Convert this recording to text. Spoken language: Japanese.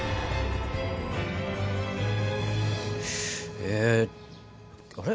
えあれ？